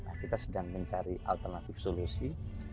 nah kita sedang mencari alternatif solusi